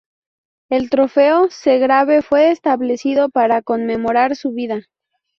El Trofeo Segrave fue establecido para conmemorar su vida.